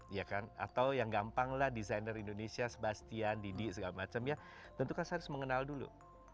ya kan atau yang gampang lah desainer indonesia sebastian didi segala macam ya tentu kan saya harus mengenal dulu